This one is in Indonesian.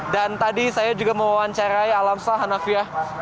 dan tadi saya juga mewawancarai alamso hanafiah